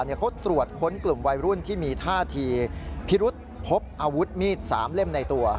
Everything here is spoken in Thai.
เขาตรวจค้นกลุ่มวัยรุ่นที่มีท่าทีพิรุษพบอาวุธมีด๓เล่มในตัว